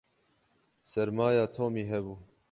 Sermaya Tomî hebû.